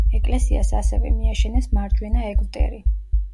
ეკლესიას ასევე მიაშენეს მარჯვენა ეგვტერი.